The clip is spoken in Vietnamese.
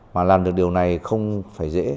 mà làm được điều này không phải dễ